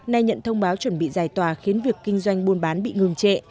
nay nhận thông báo chuẩn bị giải tòa khiến việc kinh doanh buôn bán bị ngừng trệ